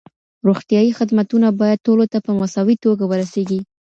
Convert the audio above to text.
روغتیايي خدمتونه باید ټولو ته په مساوي توګه ورسیږي.